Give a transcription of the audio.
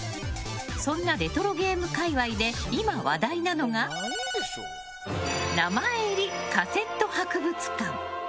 そんなレトロゲーム界隈で今、話題なのが名前入りカセット博物館。